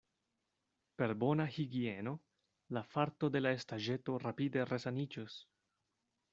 Per bona higieno la farto de la estaĵeto rapide resaniĝos.